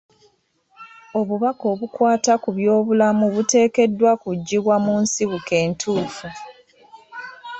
Obubaka obukwata ku byobulamu buteekeddwa kuggyibwa mu nsibuko entuufu.